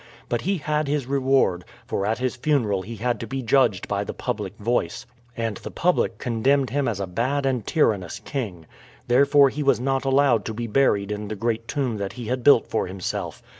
But he had his reward, for at his funeral he had to be judged by the public voice, and the public condemned him as a bad and tyrannous king. Therefore he was not allowed to be buried in the great tomb that he had built for himself.